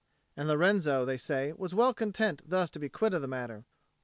And Lorenzo, they say, was well content thus to be quit of the matter.